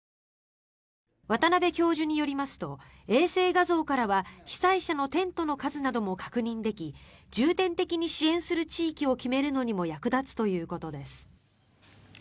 渡邉教授によりますと衛星画像からは被災者のテントの数なども確認でき重点的に支援する地域を決めるのにも役立つということです。